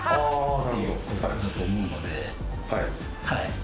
はい。